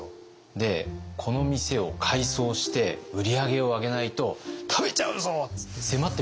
で「この店を改装して売り上げを上げないと食べちゃうぞ！」って迫ってくるんです。